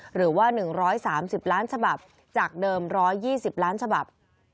หรือว่า๑๓๐ล้านฉบับจากเดิม๑๒๐ล้านฉบับ